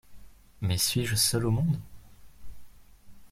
Mais suis-je seul au monde?